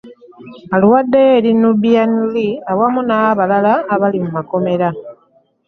Aluwaddeyo eri Nubian Li awamu n'abalala abali mu makomera.